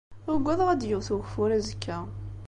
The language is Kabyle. Uggadeɣ ad d-yewwet ugeffur azekka.